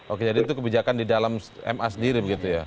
oke jadi itu kebijakan di dalam ma sendiri